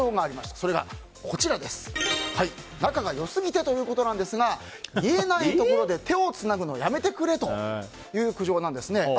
それが仲が良すぎてというところですが見えないところで手をつなぐのやめてくれ！という苦情なんです。